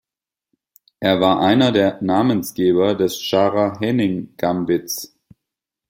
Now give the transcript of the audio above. Er war einer der Namensgeber des "Schara-Hennig-Gambits".